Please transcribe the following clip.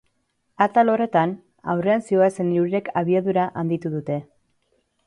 Atal horretan, aurrean zihoazen hirurek abiadura handitu dute.